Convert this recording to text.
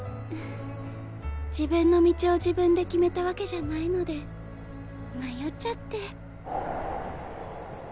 自分の道を自分で決めたわけじゃないので迷っちゃって。